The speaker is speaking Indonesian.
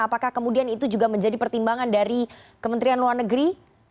apakah kemudian itu juga menjadi pertimbangan dari kementerian luar negeri